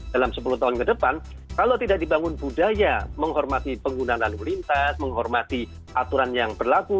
dalam sepuluh tahun ke depan kalau tidak dibangun budaya menghormati pengguna lalu lintas menghormati aturan yang berlaku